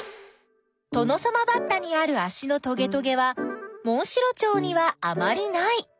トノサマバッタにあるあしのトゲトゲはモンシロチョウにはあまりない。